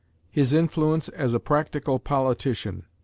X. HIS INFLUENCE AS A PRACTICAL POLITICIAN.